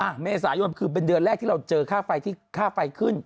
เมษายนคือเป็นเดือนแรกที่เราเจอค่าไฟที่ค่าไฟขึ้น